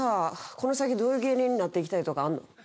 この先どういう芸人になっていきたいとかあるの？